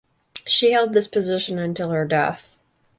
She held this position until her death.